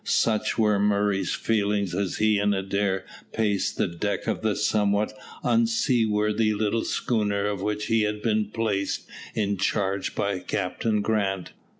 Such were Murray's feelings as he and Adair paced the deck of the somewhat unseaworthy little schooner of which he had been placed in charge by Captain Grant.